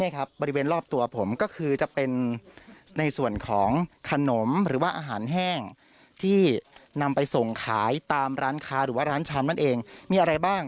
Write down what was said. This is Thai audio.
บริเวณรอบตัวผมก็คือจะเป็นในส่วนของขนมหรือว่าอาหารแห้งที่นำไปส่งขายตามร้านค้าหรือว่าร้านชามนั่นเองมีอะไรบ้าง